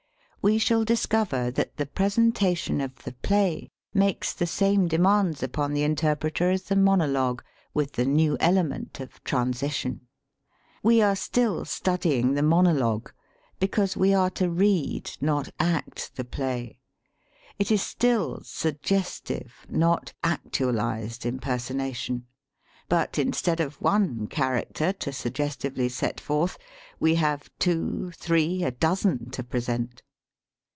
We shall discover that the pres entation of the play makes the same de mands upon the interpreter as the monologue with the new element of "transition." We are still studying the monologue, because we are to read not act the play. It is still sug 216 DRAMATIC MONOLOGUE AND PLAY gestive not actualized impersonation. But instead of one character to suggestively set forth we have two, three, a dozen to present.